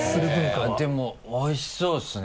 でもおいしそうですね